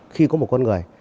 khi có một con người